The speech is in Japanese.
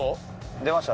出ました。